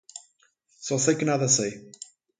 Só sei que nada sei.